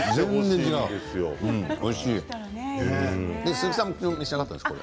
鈴木さんは召し上がったんですか？